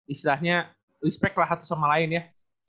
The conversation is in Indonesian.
istilahnya respect lah satu sama lain ya